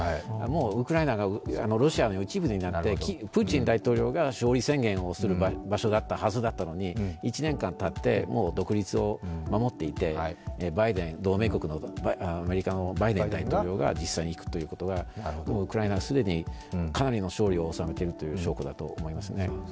ウクライナがロシアの一部になってプーチン大統領が勝利宣言をする場所だったはずだったのに、１年間たって独立を守っていて同盟国のアメリカのバイデン大統領が実際に行くということはウクライナは既にかなりの勝利を収めているという証拠だと思いますね。